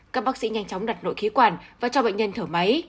các bác sĩ nhanh chóng đặt nội khí quản và cho bệnh nhân thở máy